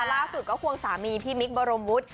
ล่าสุดก็ควงสามีพี่มิคบรมวุฒิ